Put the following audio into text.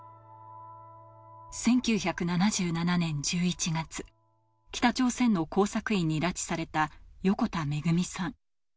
１９７７年１１月、北朝鮮の工作員に拉致された横田めぐみさん。